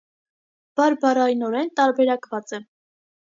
Բարբառայնորեն տարբերակված է։